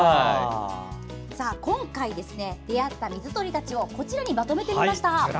今回出会った水鳥たちをこちらにまとめてみました。